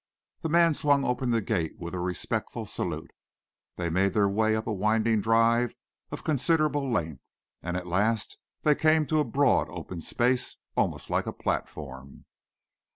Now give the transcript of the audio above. The man swung open the gate with a respectful salute. They made their way up a winding drive of considerable length, and at last they came to a broad, open space almost like a platform.